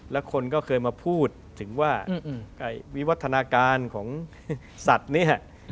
แล้วคนก็เคยมาพูดถึงว่าวิวัฒนาการของสัตว์เนี่ย